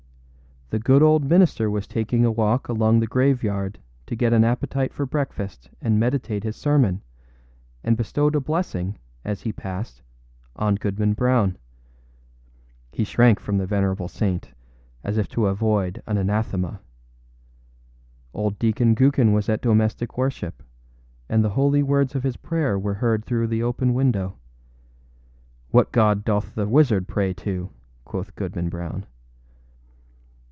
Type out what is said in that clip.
The good old minister was taking a walk along the graveyard to get an appetite for breakfast and meditate his sermon, and bestowed a blessing, as he passed, on Goodman Brown. He shrank from the venerable saint as if to avoid an anathema. Old Deacon Gookin was at domestic worship, and the holy words of his prayer were heard through the open window. âWhat God doth the wizard pray to?â quoth Goodman Brown.